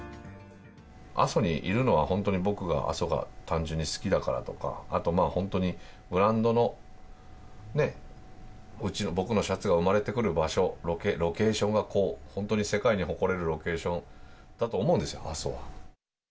阿蘇にいるのは、本当に僕が阿蘇が単純に好きだからとか、あとまあ、本当にブランドのね、うちの、僕のシャツが生まれてくる場所、ロケーションがこう、本当に世界に誇れるロケーションだと思うんですよ、阿蘇は。